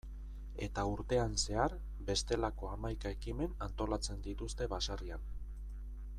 Eta urtean zehar, bestelako hamaika ekimen antolatzen dituzte baserrian.